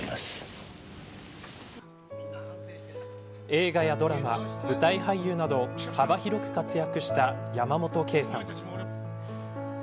映画やドラマ、舞台俳優など幅広く活躍した山本圭さん。